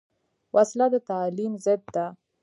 وسله د تعلیم ضد ده